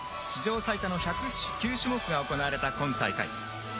史上最多の１０９種目が行われた今大会。